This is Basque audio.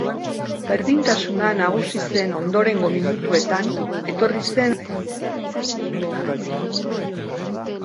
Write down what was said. Berdintasuna nagusi zen ondorengo minutuetan etorri zen lehen zatiko jokaldi erabakigarria.